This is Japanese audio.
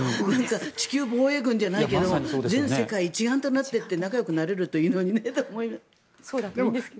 地球防衛軍じゃないけど全世界一丸となってって仲よくなれるのにねって思うけど。